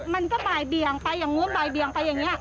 มันก็บ่ายเบียงไปอย่างนู้นบ่ายเบียงไปอย่างนี้